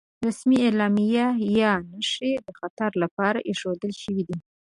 رسمي علامې یا نښې د خطر لپاره ايښودل شوې دي.